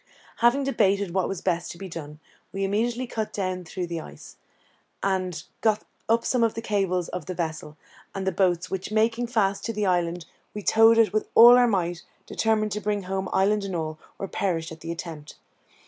Having debated what was best to be done, we immediately cut down through the ice, and got up some of the cables of the vessel, and the boats, which, making fast to the island, we towed it with all our might, determined to bring home island and all, or perish in the attempt.